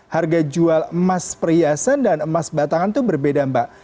harga jual emas perhiasan dan emas batangan itu berbeda mbak